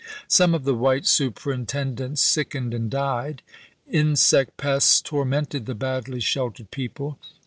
Some of the white superintendents sickened and died. Insect pests tormented the badly sheltered people.